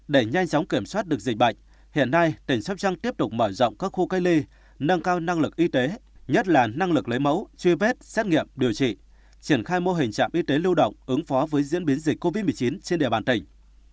để nhanh chóng kiểm soát được dịch bệnh hiện nay tỉnh sóc trăng tiếp tục mở rộng các khu cách ly nâng cao năng lực y tế nhất là năng lực lấy mẫu truy vết xét nghiệm điều trị triển khai mô hình trạm y tế lưu động ứng phó với diễn biến dịch covid một mươi chín trên địa bàn tỉnh